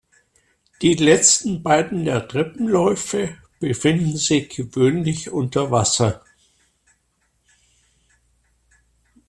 Die letzten beiden der Treppenläufe befinden sich gewöhnlich unter Wasser.